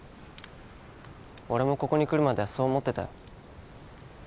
俺もここに来るまではそう思ってたよ